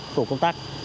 tổ công tác